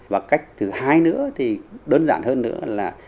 và cách thứ hai nữa thì đơn giản hơn nữa là